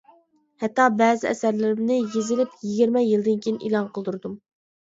ھەتتا بەزى ئەسەرلىرىمنى يېزىلىپ يىگىرمە يىلدىن كېيىن ئېلان قىلدۇردۇم.